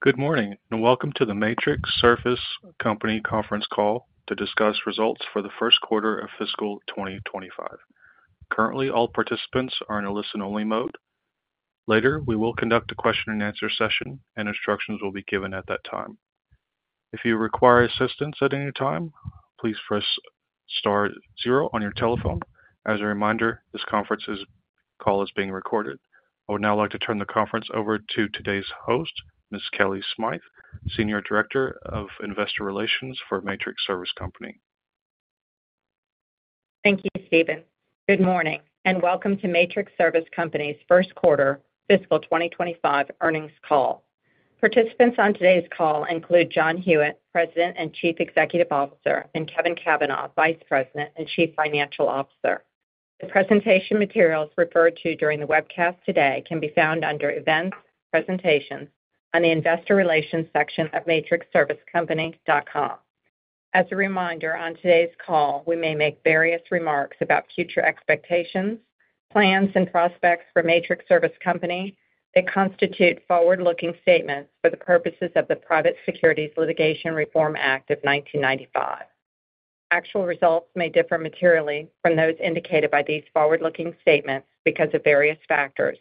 Good morning and welcome to the Matrix Service Company conference call to discuss results for the first quarter of fiscal 2025. Currently, all participants are in a listen-only mode. Later, we will conduct a question-and-answer session, and instructions will be given at that time. If you require assistance at any time, please press star zero on your telephone. As a reminder, this conference call is being recorded. I would now like to turn the conference over to today's host, Ms. Kellie Smythe, Senior Director of Investor Relations for Matrix Service Company. Thank you, Stephen. Good morning and welcome to Matrix Service Company's first quarter fiscal 2025 earnings call. Participants on today's call include John Hewitt, President and Chief Executive Officer, and Kevin Cavanah, Vice President and Chief Financial Officer. The presentation materials referred to during the webcast today can be found under Events, Presentations on the Investor Relations section of matrixservicecompany.com. As a reminder, on today's call, we may make various remarks about future expectations, plans, and prospects for Matrix Service Company. They constitute forward-looking statements for the purposes of the Private Securities Litigation Reform Act of 1995. Actual results may differ materially from those indicated by these forward-looking statements because of various factors,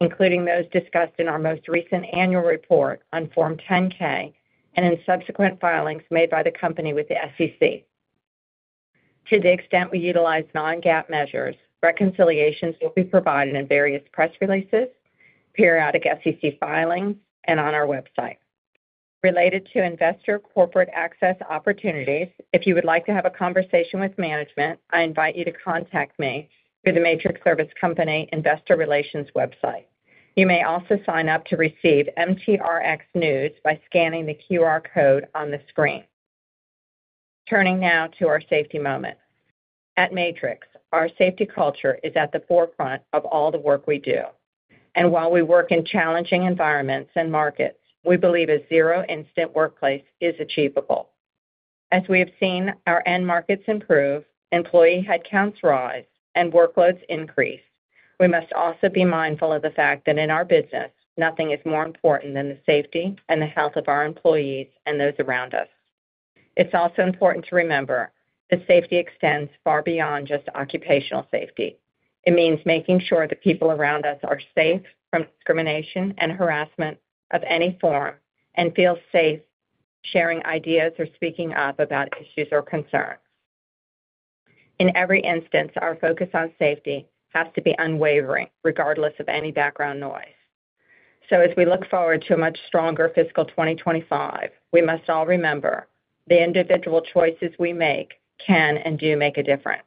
including those discussed in our most recent annual report on Form 10-K and in subsequent filings made by the company with the SEC. To the extent we utilize non-GAAP measures, reconciliations will be provided in various press releases, periodic SEC filings, and on our website. Related to investor corporate access opportunities, if you would like to have a conversation with management, I invite you to contact me through the Matrix Service Company Investor Relations website. You may also sign up to receive MTRX news by scanning the QR code on the screen. Turning now to our safety moment. At Matrix, our safety culture is at the forefront of all the work we do. And while we work in challenging environments and markets, we believe a zero-incident workplace is achievable. As we have seen our end markets improve, employee headcounts rise, and workloads increase, we must also be mindful of the fact that in our business, nothing is more important than the safety and the health of our employees and those around us. It's also important to remember that safety extends far beyond just occupational safety. It means making sure that people around us are safe from discrimination and harassment of any form and feel safe sharing ideas or speaking up about issues or concerns. In every instance, our focus on safety has to be unwavering, regardless of any background noise. So, as we look forward to a much stronger fiscal 2025, we must all remember the individual choices we make can and do make a difference.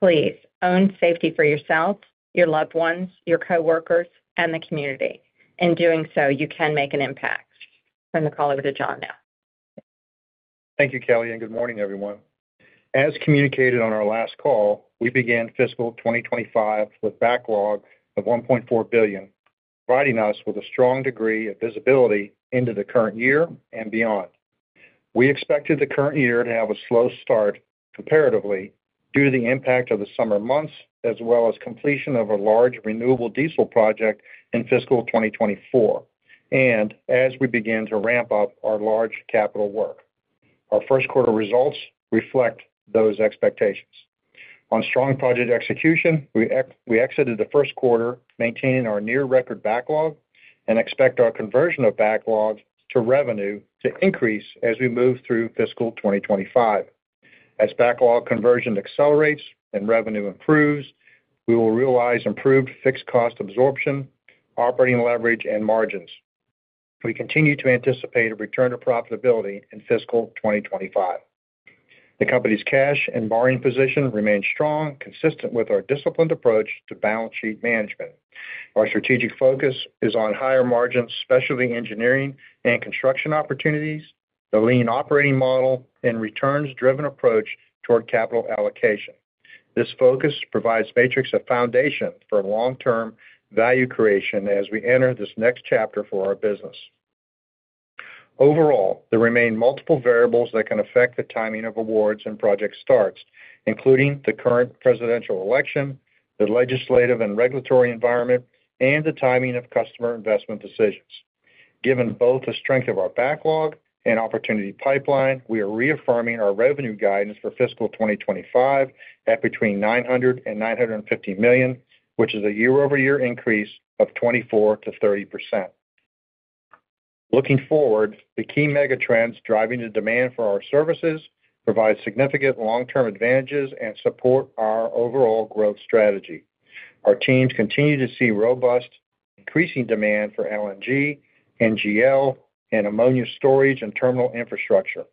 Please own safety for yourself, your loved ones, your coworkers, and the community. In doing so, you can make an impact. Turn the call over to John now. Thank you, Kellie, and good morning, everyone. As communicated on our last call, we began fiscal 2025 with a backlog of $1.4 billion, providing us with a strong degree of visibility into the current year and beyond. We expected the current year to have a slow start comparatively due to the impact of the summer months, as well as completion of a large renewable diesel project in fiscal 2024, and as we begin to ramp up our large capital work. Our first quarter results reflect those expectations. On strong project execution, we exited the first quarter, maintaining our near-record backlog, and expect our conversion of backlog to revenue to increase as we move through fiscal 2025. As backlog conversion accelerates and revenue improves, we will realize improved fixed cost absorption, operating leverage, and margins. We continue to anticipate a return to profitability in fiscal 2025. The company's cash and borrowing position remains strong, consistent with our disciplined approach to balance sheet management. Our strategic focus is on higher margin specialty engineering and construction opportunities, the lean operating model, and returns-driven approach toward capital allocation. This focus provides Matrix a foundation for long-term value creation as we enter this next chapter for our business. Overall, there remain multiple variables that can affect the timing of awards and project starts, including the current presidential election, the legislative and regulatory environment, and the timing of customer investment decisions. Given both the strength of our backlog and opportunity pipeline, we are reaffirming our revenue guidance for fiscal 2025 at between $900 and $950 million, which is a year-over-year increase of 24%-30%. Looking forward, the key megatrends driving the demand for our services provide significant long-term advantages and support our overall growth strategy. Our teams continue to see robust, increasing demand for LNG, NGL, and ammonia storage and terminal infrastructure.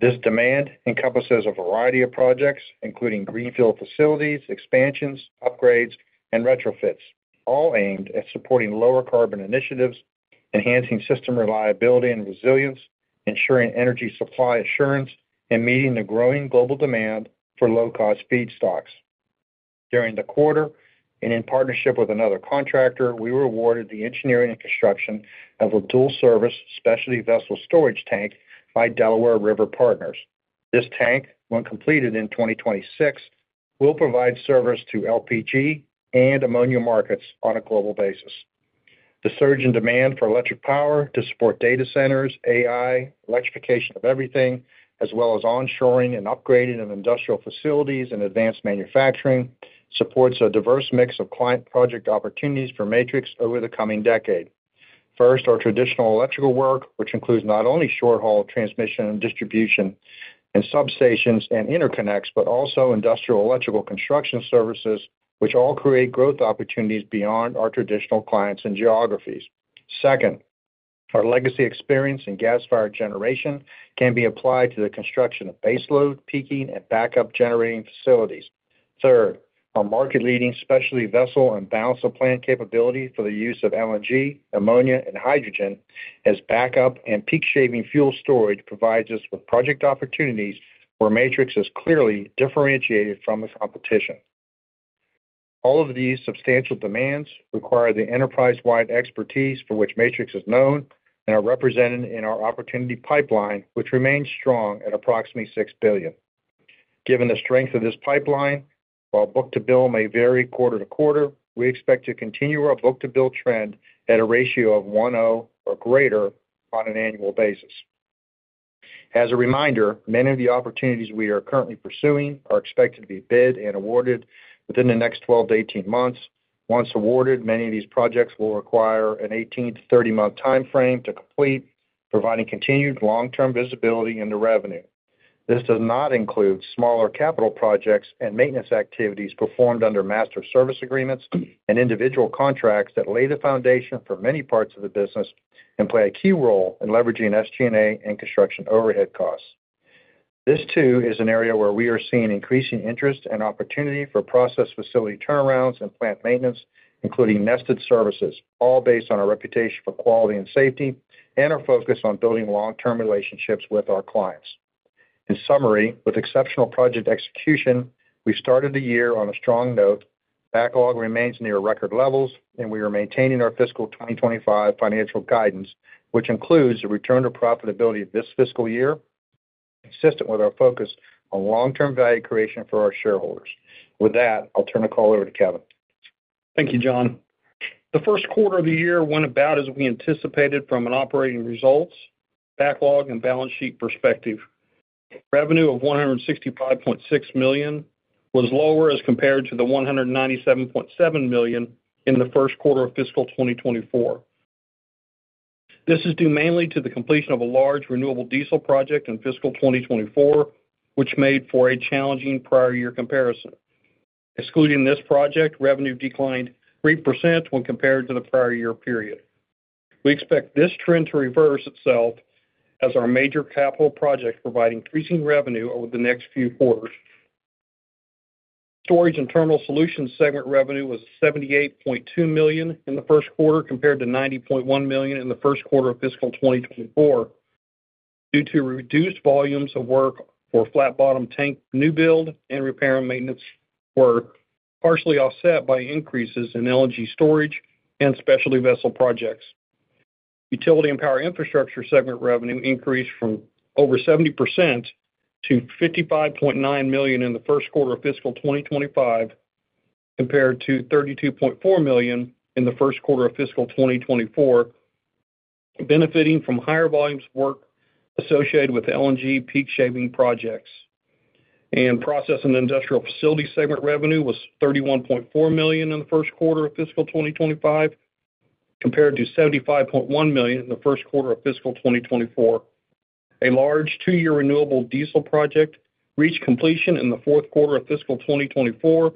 This demand encompasses a variety of projects, including greenfield facilities, expansions, upgrades, and retrofits, all aimed at supporting lower carbon initiatives, enhancing system reliability and resilience, ensuring energy supply assurance, and meeting the growing global demand for low-cost feedstocks. During the quarter, and in partnership with another contractor, we were awarded the engineering and construction of a dual-service specialty vessel storage tank by Delaware River Partners. This tank, when completed in 2026, will provide service to LPG and ammonia markets on a global basis. The surge in demand for electric power to support data centers, AI, electrification of everything, as well as onshoring and upgrading of industrial facilities and advanced manufacturing, supports a diverse mix of client project opportunities for Matrix over the coming decade. First, our traditional electrical work, which includes not only short-haul transmission and distribution and substations and interconnects, but also industrial electrical construction services, which all create growth opportunities beyond our traditional clients and geographies. Second, our legacy experience in gas-fired generation can be applied to the construction of baseload, peaking, and backup generating facilities. Third, our market-leading specialty vessel and balance of plant capability for the use of LNG, ammonia, and hydrogen as backup and peak-shaving fuel storage provides us with project opportunities where Matrix is clearly differentiated from the competition. All of these substantial demands require the enterprise-wide expertise for which Matrix is known and are represented in our opportunity pipeline, which remains strong at approximately $6 billion. Given the strength of this pipeline, while book-to-bill may vary quarter to quarter, we expect to continue our book-to-bill trend at a ratio of 1.0 or greater on an annual basis. As a reminder, many of the opportunities we are currently pursuing are expected to be bid and awarded within the next 12-18 months. Once awarded, many of these projects will require an 18-30-month timeframe to complete, providing continued long-term visibility into revenue. This does not include smaller capital projects and maintenance activities performed under master service agreements and individual contracts that lay the foundation for many parts of the business and play a key role in leveraging SG&A and construction overhead costs. This, too, is an area where we are seeing increasing interest and opportunity for process facility turnarounds and plant maintenance, including nested services, all based on our reputation for quality and safety and our focus on building long-term relationships with our clients. In summary, with exceptional project execution, we started the year on a strong note. Backlog remains near record levels, and we are maintaining our fiscal 2025 financial guidance, which includes the return to profitability this fiscal year, consistent with our focus on long-term value creation for our shareholders. With that, I'll turn the call over to Kevin. Thank you, John. The first quarter of the year went about as we anticipated from an operating results, backlog, and balance sheet perspective. Revenue of $165.6 million was lower as compared to the $197.7 million in the first quarter of fiscal 2024. This is due mainly to the completion of a large renewable diesel project in fiscal 2024, which made for a challenging prior-year comparison. Excluding this project, revenue declined 3% when compared to the prior year period. We expect this trend to reverse itself as our major capital projects provide increasing revenue over the next few quarters. Storage and Terminal Solutions segment revenue was $78.2 million in the first quarter compared to $90.1 million in the first quarter of fiscal 2024 due to reduced volumes of work for flat-bottom tank new build and repair and maintenance work, partially offset by increases in LNG storage and specialty vessel projects. Utility and Power Infrastructure segment revenue increased from over 70% to $55.9 million in the first quarter of fiscal 2025 compared to $32.4 million in the first quarter of fiscal 2024, benefiting from higher volumes of work associated with LNG peak shaving projects, and Process and Industrial Facilities segment revenue was $31.4 million in the first quarter of fiscal 2025 compared to $75.1 million in the first quarter of fiscal 2024. A large two-year renewable diesel project reached completion in the fourth quarter of fiscal 2024,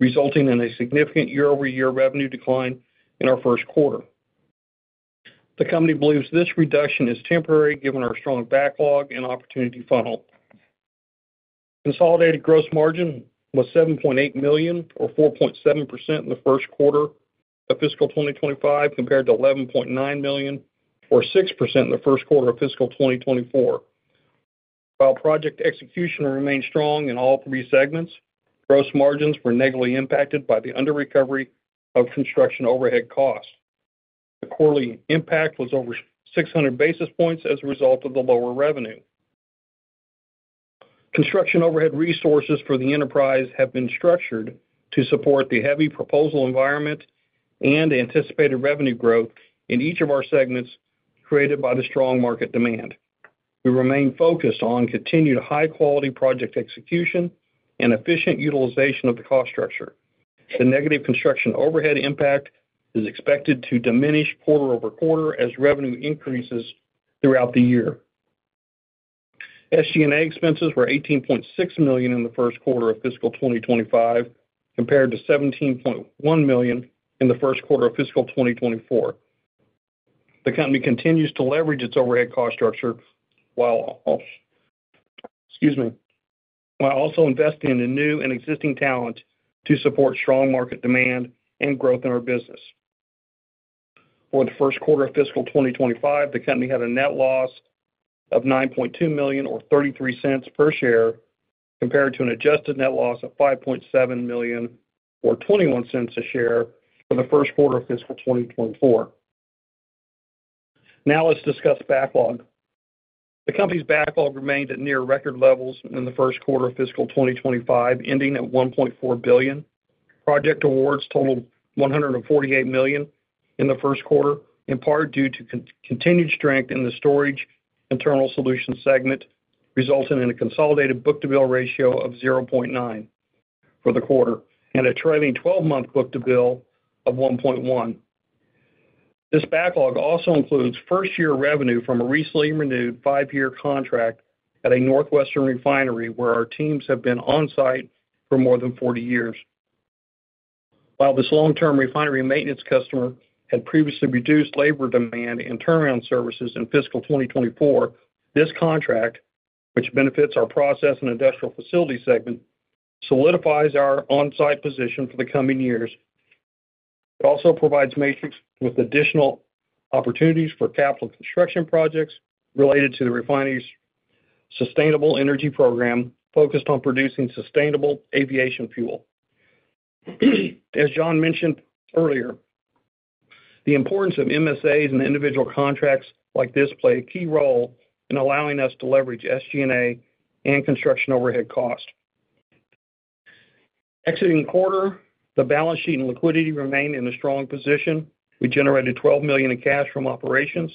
resulting in a significant year-over-year revenue decline in our first quarter. The company believes this reduction is temporary given our strong backlog and opportunity funnel. Consolidated gross margin was $7.8 million, or 4.7% in the first quarter of fiscal 2025, compared to $11.9 million, or 6% in the first quarter of fiscal 2024. While project execution remained strong in all three segments, gross margins were negatively impacted by the under-recovery of construction overhead costs. The quarterly impact was over 600 basis points as a result of the lower revenue. Construction overhead resources for the enterprise have been structured to support the heavy proposal environment and anticipated revenue growth in each of our segments created by the strong market demand. We remain focused on continued high-quality project execution and efficient utilization of the cost structure. The negative construction overhead impact is expected to diminish quarter over quarter as revenue increases throughout the year. SG&A expenses were $18.6 million in the first quarter of fiscal 2025 compared to $17.1 million in the first quarter of fiscal 2024. The company continues to leverage its overhead cost structure while also investing in new and existing talent to support strong market demand and growth in our business. For the first quarter of fiscal 2025, the company had a net loss of $9.2 million, or $0.33 per share, compared to an adjusted net loss of $5.7 million, or $0.21 a share for the first quarter of fiscal 2024. Now let's discuss backlog. The company's backlog remained at near-record levels in the first quarter of fiscal 2025, ending at $1.4 billion. Project awards totaled $148 million in the first quarter, in part due to continued strength in the Storage and Terminal Solutions segment, resulting in a consolidated book-to-bill ratio of 0.9 for the quarter and a trailing 12-month book-to-bill of 1.1. This backlog also includes first-year revenue from a recently renewed five-year contract at a northwestern refinery where our teams have been on-site for more than 40 years. While this long-term refinery maintenance customer had previously reduced labor demand and turnaround services in fiscal 2024, this contract, which benefits our Process and Industrial Facilities segment, solidifies our on-site position for the coming years. It also provides Matrix with additional opportunities for capital construction projects related to the refinery's sustainable energy program focused on producing sustainable aviation fuel. As John mentioned earlier, the importance of MSAs and individual contracts like this play a key role in allowing us to leverage SG&A and Construction Overhead costs. Exiting quarter, the balance sheet and liquidity remained in a strong position. We generated $12 million in cash from operations,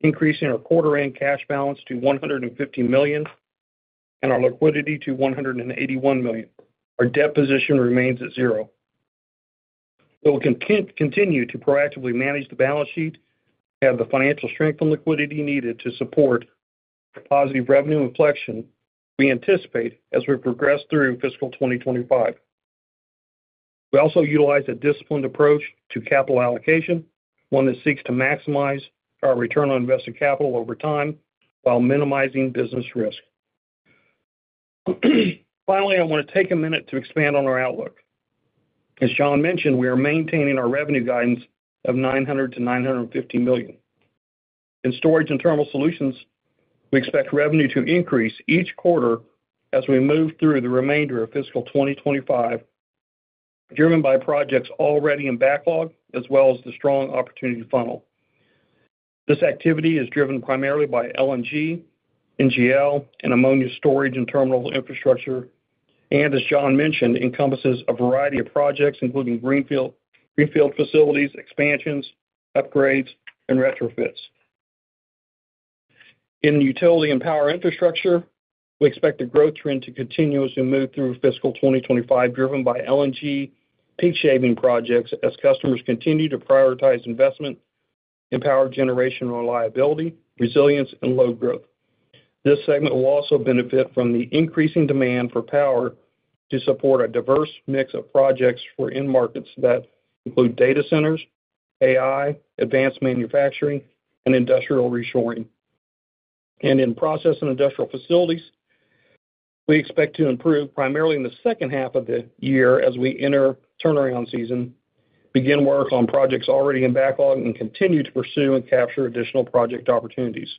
increasing our quarter-end cash balance to $150 million and our liquidity to $181 million. Our debt position remains at zero. We will continue to proactively manage the balance sheet and have the financial strength and liquidity needed to support positive revenue inflection we anticipate as we progress through fiscal 2025. We also utilize a disciplined approach to capital allocation, one that seeks to maximize our return on invested capital over time while minimizing business risk. Finally, I want to take a minute to expand on our outlook. As John mentioned, we are maintaining our revenue guidance of $900-$950 million. In storage and terminal solutions, we expect revenue to increase each quarter as we move through the remainder of fiscal 2025, driven by projects already in backlog as well as the strong opportunity funnel. This activity is driven primarily by LNG, NGL, and ammonia storage and terminal infrastructure, and as John mentioned, encompasses a variety of projects, including greenfield facilities, expansions, upgrades, and retrofits. In utility and power infrastructure, we expect the growth trend to continue as we move through fiscal 2025, driven by LNG peak shaving projects as customers continue to prioritize investment in power generation reliability, resilience, and load growth. This segment will also benefit from the increasing demand for power to support a diverse mix of projects for end markets that include data centers, AI, advanced manufacturing, and industrial reshoring. And in process and industrial facilities, we expect to improve primarily in the second half of the year as we enter turnaround season, begin work on projects already in backlog, and continue to pursue and capture additional project opportunities.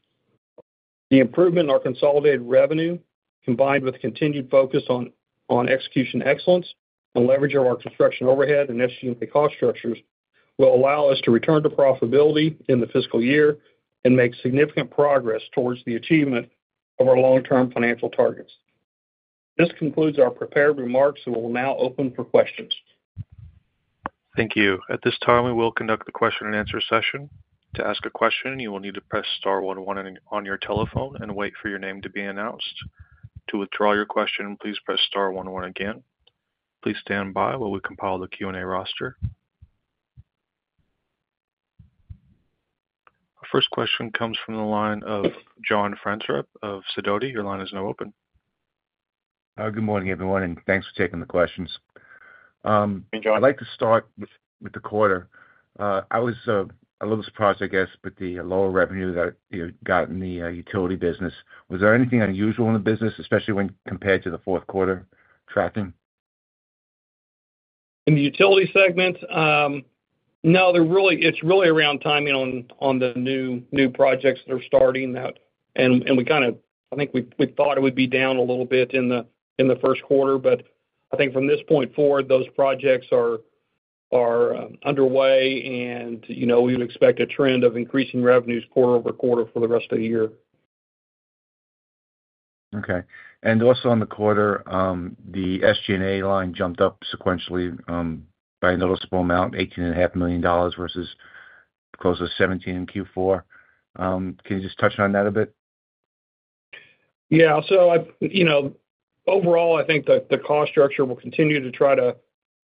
The improvement in our consolidated revenue, combined with continued focus on execution excellence and leverage of our construction overhead and SG&A cost structures, will allow us to return to profitability in the fiscal year and make significant progress towards the achievement of our long-term financial targets. This concludes our prepared remarks, and we'll now open for questions. Thank you. At this time, we will conduct the question-and-answer session. To ask a question, you will need to press star one one on your telephone and wait for your name to be announced. To withdraw your question, please press star one one again. Please stand by while we compile the Q&A roster. Our first question comes from the line of John Franzreb of Sidoti. Your line is now open. Good morning, everyone, and thanks for taking the questions. I'd like to start with the quarter. I was a little surprised, I guess, with the lower revenue that you got in the utility business. Was there anything unusual in the business, especially when compared to the fourth quarter tracking? In the utility segment, no, it's really around timing on the new projects that are starting, and we kind of, I think we thought it would be down a little bit in the first quarter, but I think from this point forward, those projects are underway, and we would expect a trend of increasing revenues quarter over quarter for the rest of the year. Okay. And also on the quarter, the SG&A line jumped up sequentially by a noticeable amount, $18.5 million versus close to $17 in Q4. Can you just touch on that a bit? Yeah. So overall, I think the cost structure will continue to try to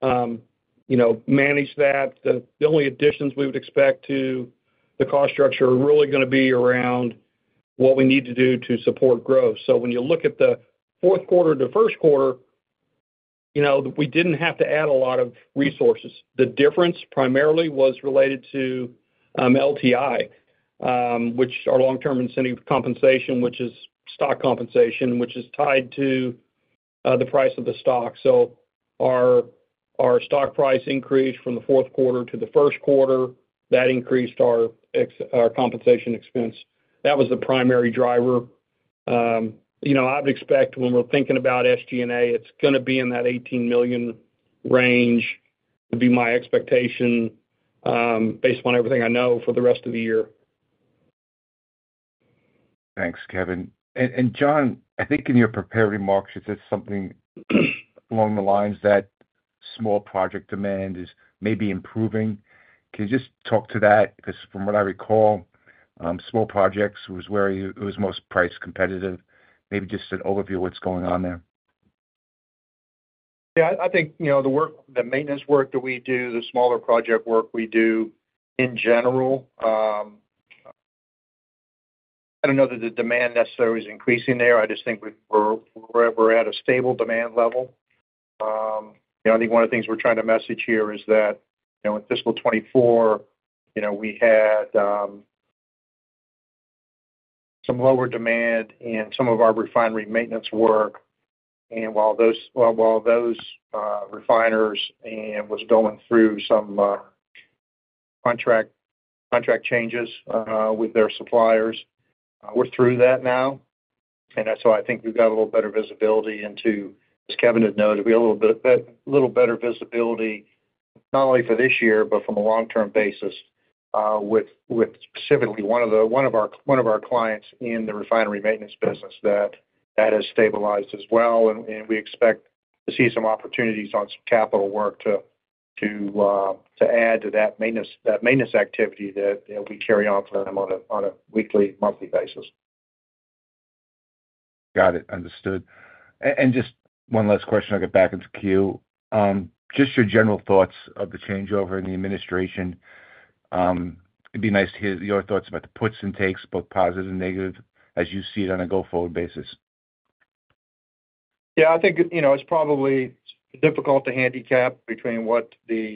manage that. The only additions we would expect to the cost structure are really going to be around what we need to do to support growth. So when you look at the fourth quarter to first quarter, we didn't have to add a lot of resources. The difference primarily was related to LTI, which our long-term incentive compensation, which is stock compensation, which is tied to the price of the stock. So our stock price increased from the fourth quarter to the first quarter. That increased our compensation expense. That was the primary driver. I would expect when we're thinking about SG&A, it's going to be in that $18 million range. It would be my expectation based on everything I know for the rest of the year. Thanks, Kevin. And John, I think in your prepared remarks, you said something along the lines that small project demand is maybe improving. Can you just talk to that? Because from what I recall, small projects was where it was most price competitive. Maybe just an overview of what's going on there. Yeah. I think the maintenance work that we do, the smaller project work we do in general, I don't know that the demand necessarily is increasing there. I just think we're at a stable demand level. I think one of the things we're trying to message here is that in fiscal 2024, we had some lower demand in some of our refinery maintenance work, and while those refiners were going through some contract changes with their suppliers, we're through that now, and so I think we've got a little better visibility into, as Kevin had noted, we have a little better visibility not only for this year, but from a long-term basis with specifically one of our clients in the refinery maintenance business that has stabilized as well. We expect to see some opportunities on some capital work to add to that maintenance activity that we carry on for them on a weekly, monthly basis. Got it. Understood. And just one last question. I'll get back into Q. Just your general thoughts of the changeover in the administration. It'd be nice to hear your thoughts about the puts and takes, both positive and negative, as you see it on a go-forward basis. Yeah. I think it's probably difficult to handicap between what each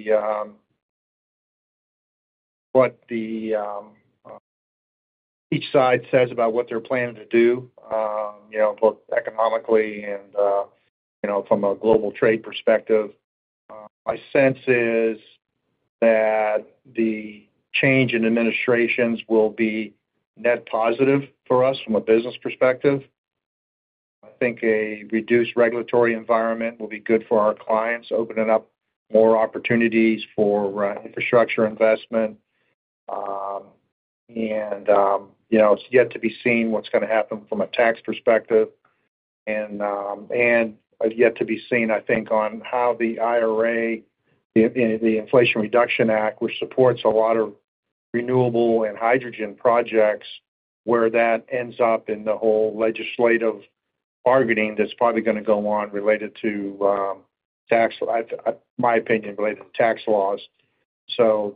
side says about what they're planning to do, both economically and from a global trade perspective. My sense is that the change in administrations will be net positive for us from a business perspective. I think a reduced regulatory environment will be good for our clients, opening up more opportunities for infrastructure investment. And it's yet to be seen what's going to happen from a tax perspective. And it's yet to be seen, I think, on how the IRA, the Inflation Reduction Act, which supports a lot of renewable and hydrogen projects, where that ends up in the whole legislative bargaining that's probably going to go on related to, in my opinion, related to tax laws. So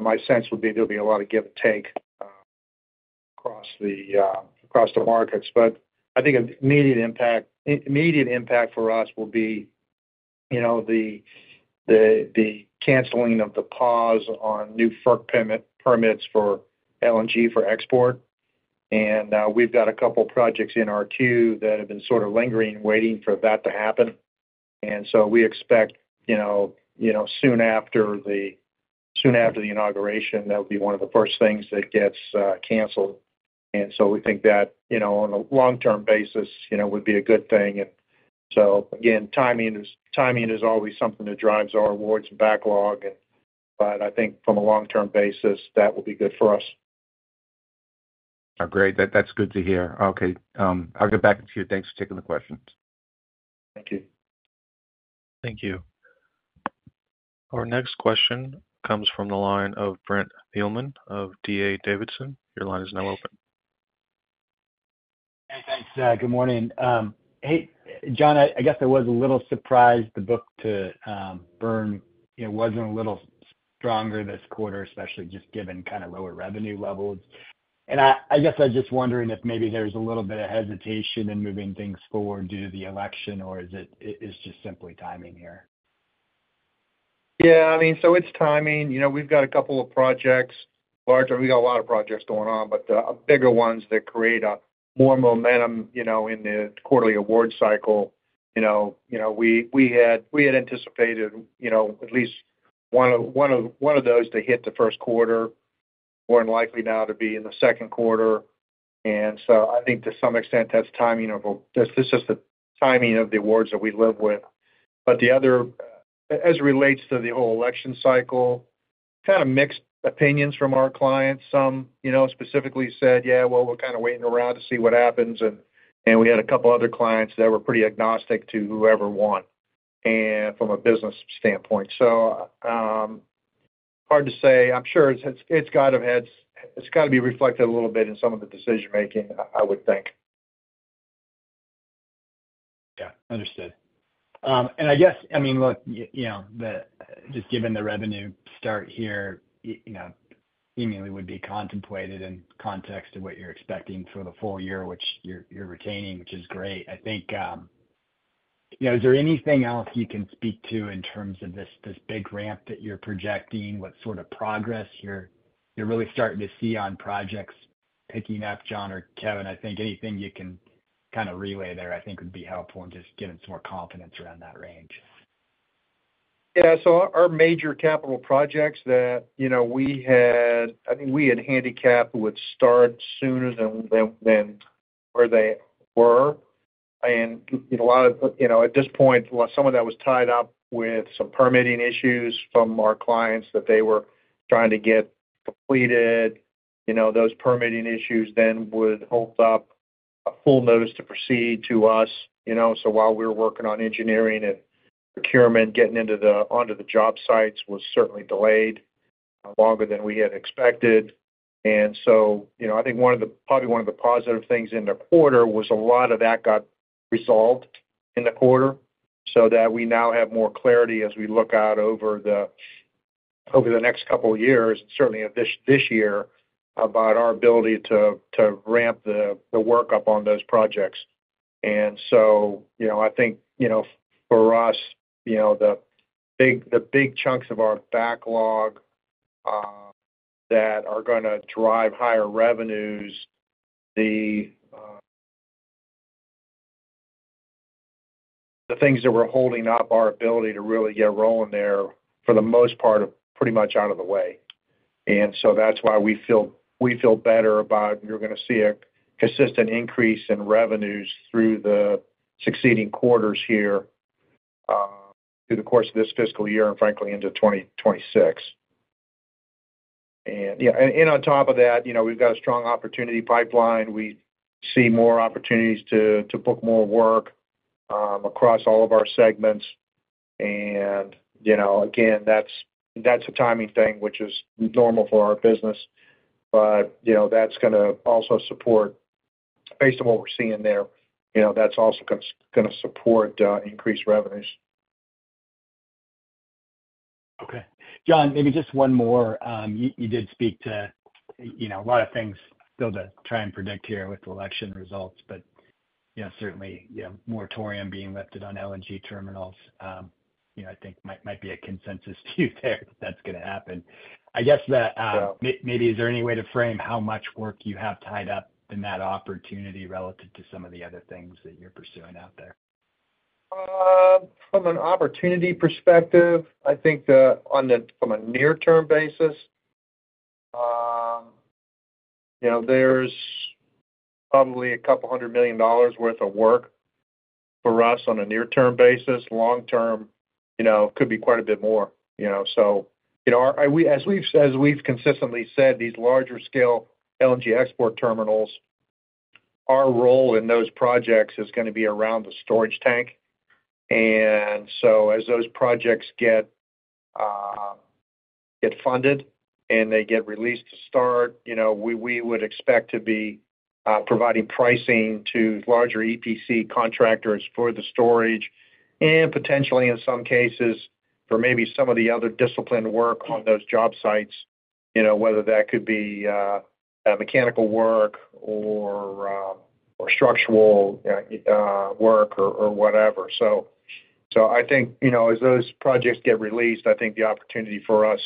my sense would be there'll be a lot of give and take across the markets. But I think an immediate impact for us will be the canceling of the pause on new FERC permits for LNG for export. And we've got a couple of projects in our queue that have been sort of lingering, waiting for that to happen. And so we expect soon after the inauguration, that'll be one of the first things that gets canceled. And so we think that on a long-term basis would be a good thing. And so again, timing is always something that drives our awards and backlog. But I think from a long-term basis, that will be good for us. Great. That's good to hear. Okay. I'll get back into Q. Thanks for taking the questions. Thank you. Thank you. Our next question comes from the line of Brent Thielman of D.A. Davidson. Your line is now open. Hey, thanks. Good morning. Hey, John, I guess I was a little surprised the book-to-bill wasn't a little stronger this quarter, especially just given kind of lower revenue levels, and I guess I was just wondering if maybe there's a little bit of hesitation in moving things forward due to the election, or is it just simply timing here? Yeah. I mean, so it's timing. We've got a couple of projects. We've got a lot of projects going on, but the bigger ones that create more momentum in the quarterly award cycle. We had anticipated at least one of those to hit the first quarter. More than likely now to be in the second quarter. And so I think to some extent, that's timing of just the timing of the awards that we live with. But the other, as it relates to the whole election cycle, kind of mixed opinions from our clients. Some specifically said, "Yeah, well, we're kind of waiting around to see what happens." And we had a couple of other clients that were pretty agnostic to whoever won from a business standpoint. So hard to say. I'm sure it's got to be reflected a little bit in some of the decision-making, I would think. Yeah. Understood, and I guess, I mean, look, just given the revenue start here, it immediately would be contemplated in context of what you're expecting for the full year, which you're retaining, which is great. I think, is there anything else you can speak to in terms of this big ramp that you're projecting? What sort of progress you're really starting to see on projects picking up, John or Kevin? I think anything you can kind of relay there, I think, would be helpful in just giving some more confidence around that range. Yeah. So our major capital projects that we had, I think we had handicapped with starts sooner than where they were. And a lot of at this point, some of that was tied up with some permitting issues from our clients that they were trying to get completed. Those permitting issues then would hold up a full notice to proceed to us. So while we were working on engineering and procurement, getting onto the job sites was certainly delayed longer than we had expected. And so I think probably one of the positive things in the quarter was a lot of that got resolved in the quarter so that we now have more clarity as we look out over the next couple of years, certainly this year, about our ability to ramp the work up on those projects. And so I think for us, the big chunks of our backlog that are going to drive higher revenues, the things that we're holding up our ability to really get rolling there for the most part are pretty much out of the way. And so that's why we feel better about you're going to see a consistent increase in revenues through the succeeding quarters here through the course of this fiscal year and frankly into 2026. And yeah. And on top of that, we've got a strong opportunity pipeline. We see more opportunities to book more work across all of our segments. And again, that's a timing thing, which is normal for our business. But that's going to also support, based on what we're seeing there, that's also going to support increased revenues. Okay. John, maybe just one more. You did speak to a lot of things. Still, to try and predict here with the election results, but certainly moratorium being lifted on LNG terminals, I think, might be a consensus view there that that's going to happen. I guess that maybe is there any way to frame how much work you have tied up in that opportunity relative to some of the other things that you're pursuing out there? From an opportunity perspective, I think from a near-term basis, there's probably $200 million worth of work for us on a near-term basis. Long-term, it could be quite a bit more. So as we've consistently said, these larger-scale LNG export terminals, our role in those projects is going to be around the storage tank. And so as those projects get funded and they get released to start, we would expect to be providing pricing to larger EPC contractors for the storage and potentially, in some cases, for maybe some of the other disciplined work on those job sites, whether that could be mechanical work or structural work or whatever. So I think as those projects get released, I think the opportunity for us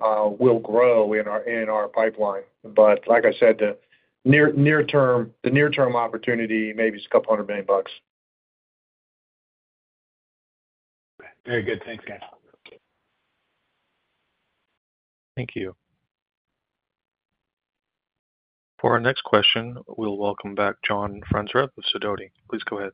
will grow in our pipeline. But like I said, the near-term opportunity maybe is $200 million. Very good. Thanks, John. Thank you. For our next question, we'll welcome back John Franzreb of Sidoti & Company. Please go ahead.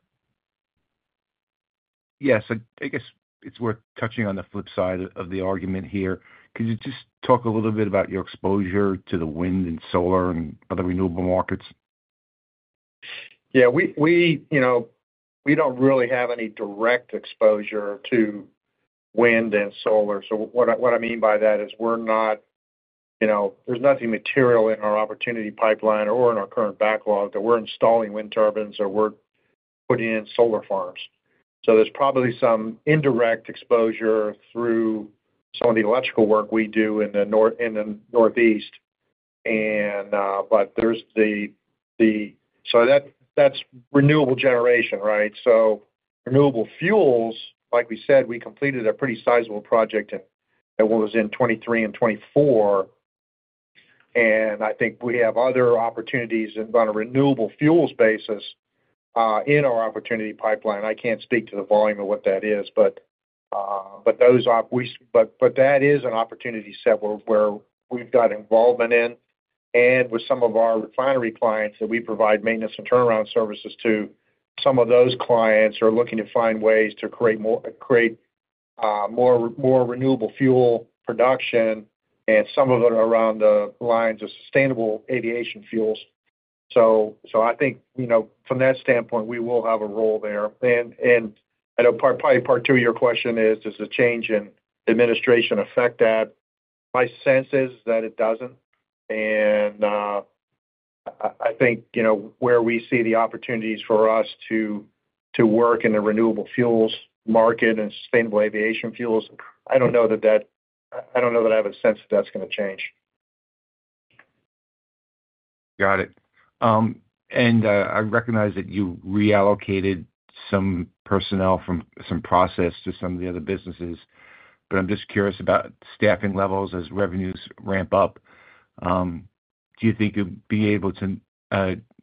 Yes. I guess it's worth touching on the flip side of the argument here. Could you just talk a little bit about your exposure to the wind and solar and other renewable markets? Yeah. We don't really have any direct exposure to wind and solar. So what I mean by that is we're not. There's nothing material in our opportunity pipeline or in our current backlog that we're installing wind turbines or we're putting in solar farms. So there's probably some indirect exposure through some of the electrical work we do in the Northeast. But there's the so that's renewable generation, right? So renewable fuels, like we said, we completed a pretty sizable project that was in 2023 and 2024. And I think we have other opportunities on a renewable fuels basis in our opportunity pipeline. I can't speak to the volume of what that is. But that is an opportunity set where we've got involvement in. With some of our refinery clients that we provide maintenance and turnaround services to, some of those clients are looking to find ways to create more renewable fuel production, and some of them are around the lines of sustainable aviation fuels. So I think from that standpoint, we will have a role there. And I know probably part two of your question is, does the change in administration affect that? My sense is that it doesn't. And I think where we see the opportunities for us to work in the renewable fuels market and sustainable aviation fuels, I don't know that I have a sense that that's going to change. Got it. And I recognize that you reallocated some personnel from some process to some of the other businesses. But I'm just curious about staffing levels as revenues ramp up. Do you think you'll be able to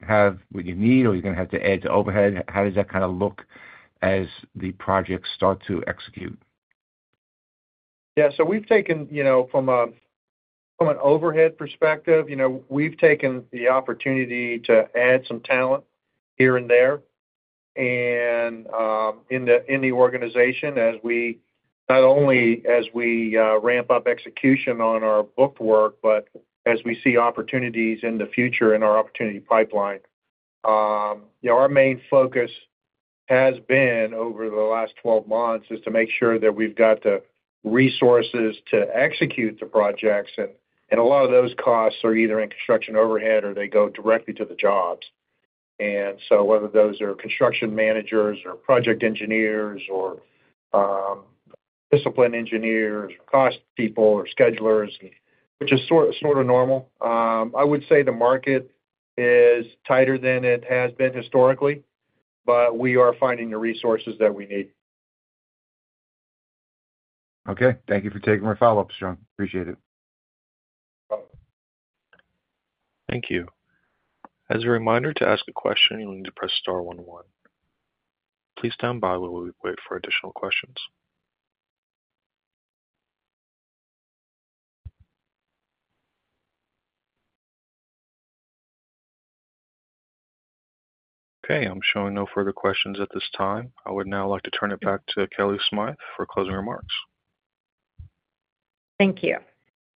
have what you need, or are you going to have to add to overhead? How does that kind of look as the projects start to execute? Yeah. So we've taken from an overhead perspective, we've taken the opportunity to add some talent here and there in the organization not only as we ramp up execution on our backlog, but as we see opportunities in the future in our opportunity pipeline. Our main focus has been over the last 12 months is to make sure that we've got the resources to execute the projects. A lot of those costs are either in construction overhead or they go directly to the jobs. So whether those are construction managers or project engineers or discipline engineers or cost people or schedulers, which is sort of normal. I would say the market is tighter than it has been historically, but we are finding the resources that we need. Okay. Thank you for taking my follow-ups, John. Appreciate it. Thank you. As a reminder, to ask a question, you'll need to press star 11. Please stand by while we wait for additional questions. Okay. I'm showing no further questions at this time. I would now like to turn it back to Kellie Smythe for closing remarks. Thank you.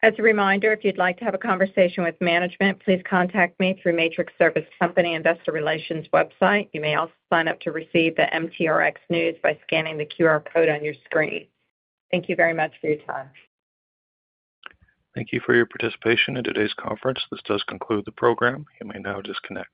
As a reminder, if you'd like to have a conversation with management, please contact me through Matrix Service Company Investor Relations website. You may also sign up to receive the MTRX news by scanning the QR code on your screen. Thank you very much for your time. Thank you for your participation in today's conference. This does conclude the program. You may now disconnect.